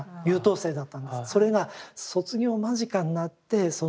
それが卒業間近になってその。